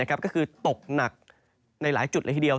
ก็คือตกหนักในหลายจุดเลยทีเดียว